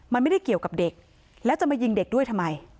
มันไม่ได้เกี่ยวกับเด็กแล้วจะมายิงเด็กด้วยทำไม